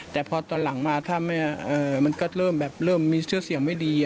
แต่พอตอนหลังมาถ้ามันก็เริ่มแบบเริ่มมีชื่อเสียงไม่ดี